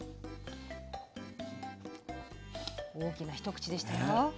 大きな一口でしたよ。